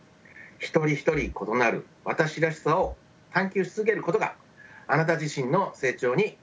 一人一人異なる「私らしさ」を探究し続けることがあなた自身の成長につながっていきます。